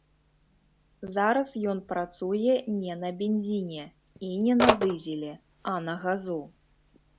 Зараз ён працуе не на бензіне і не на дызелі, а на газу.